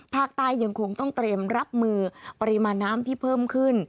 ยังคงต้องเตรียมรับมือปริมาณน้ำที่เพิ่มขึ้น